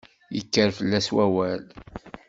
Yekker fell-as wawal.